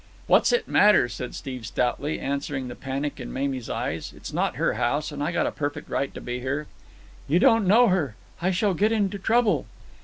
"What's it matter?" said Steve stoutly, answering the panic in Mamie's eyes. "It's not her house, and I got a perfect right to be here." "You don't know her. I shall get into trouble."